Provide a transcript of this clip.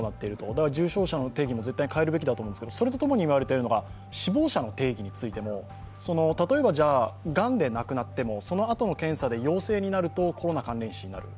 だから重症者の定義も絶対に変えるべきだと思うんですけどそれと共に今、言われているのが死亡者の定義で、例えばがんの死亡者であってもそのあとの検査で陽性になるとコロナ関連死になる。